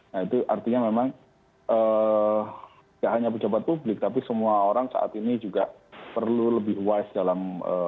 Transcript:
nah itu artinya memang tidak hanya pejabat publik tapi semua orang saat ini juga perlu lebih wise dalam